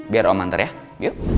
biar om antar ya yuk